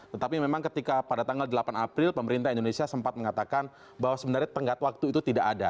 tetapi memang ketika pada tanggal delapan april pemerintah indonesia sempat mengatakan bahwa sebenarnya tenggat waktu itu tidak ada